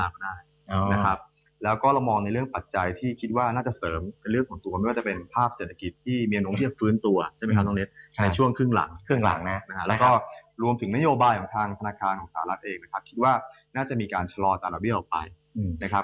เพราะฉะนั้นเม็ดเงินการลงทุนเนี่ยอาจจะเริ่มกลับเข้ามาก็ได้นะครับ